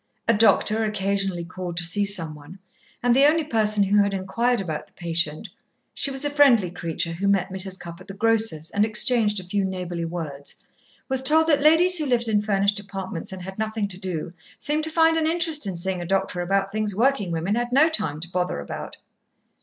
A doctor occasionally called to see someone, and the only person who had inquired about the patient (she was a friendly creature, who met Mrs. Cupp at the grocer's, and exchanged a few neighbourly words) was told that ladies who lived in furnished apartments, and had nothing to do, seemed to find an interest in seeing a doctor about things working women had no time to bother about.